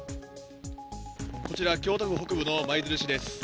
こちら、京都府北部の舞鶴市です。